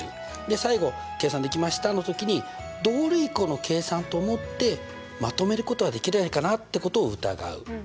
最後計算できましたの時に同類項の計算と思ってまとめることはできないかなってことを疑う。